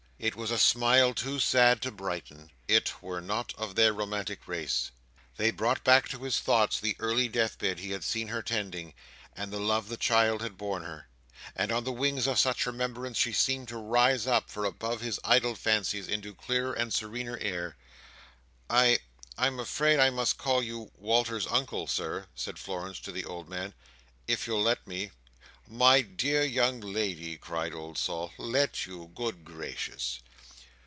it was a smile too sad to brighten—it, were not of their romantic race. They brought back to his thoughts the early death bed he had seen her tending, and the love the child had borne her; and on the wings of such remembrances she seemed to rise up, far above his idle fancies, into clearer and serener air. "I—I am afraid I must call you Walter's Uncle, Sir," said Florence to the old man, "if you'll let me." "My dear young lady," cried old Sol. "Let you! Good gracious!"